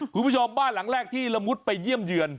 คุณผู้ชมบ้านหลังแรกที่ละมุดไปเยี่ยมเยือน